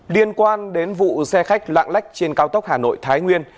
liên quan đến vụ xe khách lạng lách trên cao tốc hà nội thái nguyên